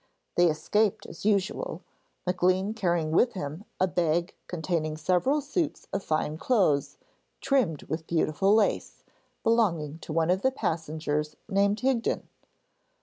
They escaped as usual, Maclean carrying with him a bag containing several suits of fine clothes, trimmed with beautiful lace, belonging to one of the passengers named Higden.